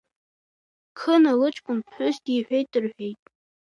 Қына лыҷкәын ԥҳәыс диҳәеит, — рҳәеит…